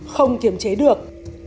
không kiềm chế được